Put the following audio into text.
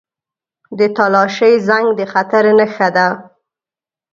• د تالاشۍ زنګ د خطر نښه وي.